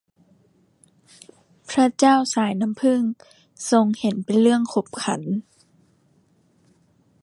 พระเจ้าสายน้ำผึ้ง ทรงเห็นเป็นเรื่องขบขัน